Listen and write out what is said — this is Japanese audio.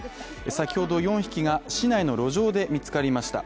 先ほど４匹が市内の路上で見つかりました